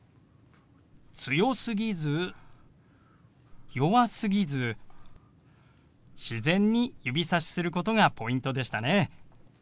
強すぎず弱すぎず自然に指さしすることがポイントでしたね。